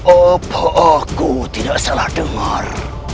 apa aku tidak salah dengar